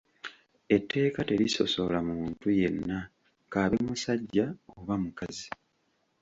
Etteeka terisosola muntu yenna kaabe musajja oba mukazi.